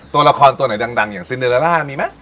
ตัวละครตัวไหนดังอย่างซินเดลาล่ามีไหม